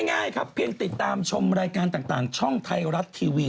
ง่ายครับเพียงติดตามชมรายการต่างช่องไทยรัฐทีวี